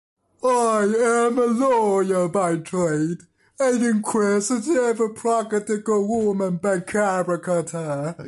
I am a lawyer by trade, and an inquisitive, practical woman by character.